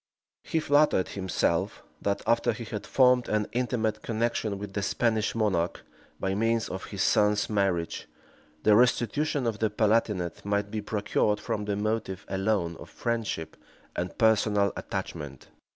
He flattered himself that, after he had formed an intimate connection with the Spanish monarch, by means of his son's marriage, the restitution of the Palatinate might be procured from the motive alone of friendship and personal attachment.